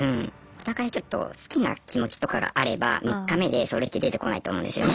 お互いちょっと好きな気持ちとかがあれば３日目でそれって出てこないと思うんですよね。